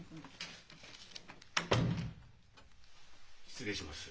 失礼します。